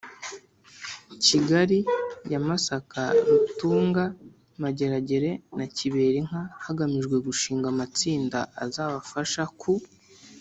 Kigali ya Masaka Rutunga Mageragere na Kiberinka hagamijwe gushinga amatsinda azabafasha ku